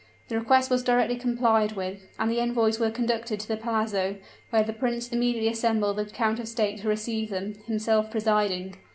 The request was directly complied with, and the envoys were conducted to the palazzo, where the prince immediately assembled the council of state to receive them, himself presiding.